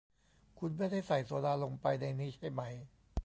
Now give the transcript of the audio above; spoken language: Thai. คุณไม่ได้ใส่โซดาลงไปในนี้ใช่ไหม